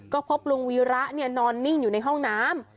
ก็พบลุงวีระนอนนิ่งอยู่ในห้องน้ำ